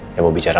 yang mau bicara